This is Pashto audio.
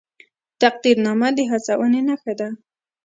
تقدیرنامه د هڅونې نښه ده